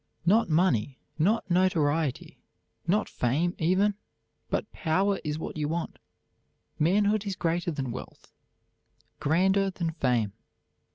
Not money, not notoriety, not fame even, but power is what you want. Manhood is greater than wealth, grander than fame.